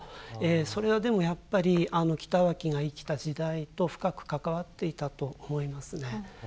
それはでもやっぱり北脇が生きた時代と深く関わっていたと思いますね。